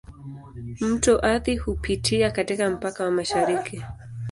Mto Athi hupitia katika mpaka wa mashariki.